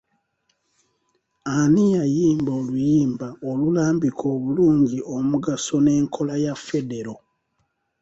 Ani yayimba oluyimba olulambika obulungi omugaso n’enkola ya federo.